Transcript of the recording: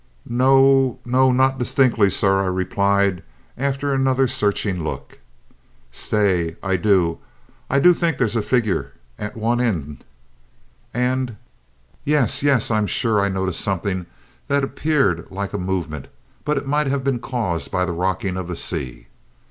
"No no not distinctly, sir," I replied after another searching look. "Stay; I do I do think there's a figure at one end! and, yes yes I'm sure I noticed something that appeared like a movement, but it might have been caused by the rocking of the sea."